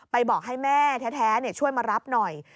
บอกให้แม่แท้ช่วยมารับหน่อย